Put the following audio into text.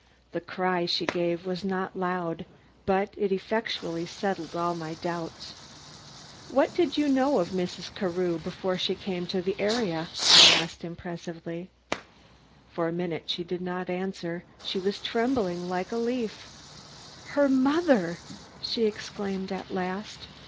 The cry she gave was not loud, but it effectually settled all my doubts. "What did you know of Mrs. Carew before she came to ?" I asked impressively. For minutes she did not answer; she was trembling like a leaf. "Her mother!" she exclaimed at last.